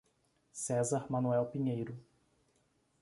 Cesar Manoel Pinheiro